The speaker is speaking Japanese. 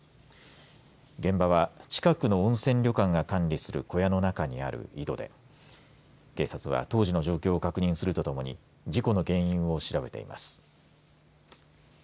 現場は近くの温泉旅館が管理する小屋の中にある井戸で警察は当時の状況を確認するとともに事故の原因を調べています。